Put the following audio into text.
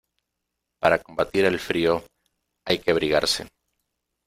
Para combatir el frío, hay que abrigarse.